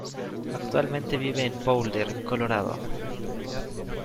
Actualmente vive en Boulder, Colorado.